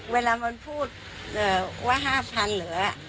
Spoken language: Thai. เวลามันพูดว่า๕๐๐๐เหลือ